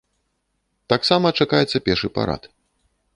Таксама чакаецца пешы парад.